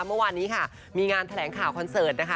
เมื่อวานนี้ค่ะมีงานแถลงข่าวคอนเสิร์ตนะคะ